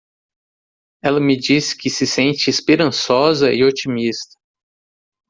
Ela me disse que se sente esperançosa e otimista.